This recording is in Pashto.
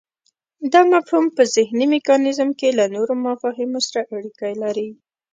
دا مفهوم په ذهني میکانیزم کې له نورو مفاهیمو سره اړیکی لري